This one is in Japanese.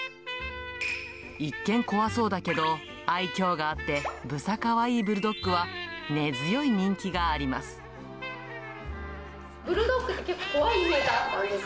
一見、怖そうだけど、愛きょうがあって、ぶさかわいいブルドッグは、根強い人気があります。